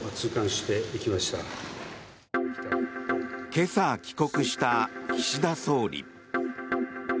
今朝、帰国した岸田総理。